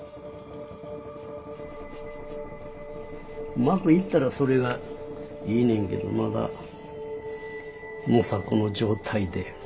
うまくいったらそれがいいねんけどまだ模索の状態で。